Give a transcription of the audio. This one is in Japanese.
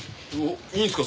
いいんですか？